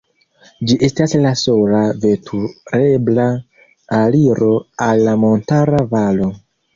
Ĝi estas la sola veturebla aliro al la montara valo.